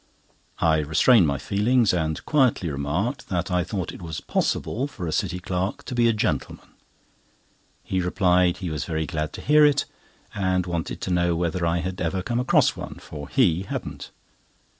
I restrained my feelings, and quietly remarked that I thought it was possible for a city clerk to be a gentleman. He replied he was very glad to hear it, and wanted to know whether I had ever come across one, for he hadn't.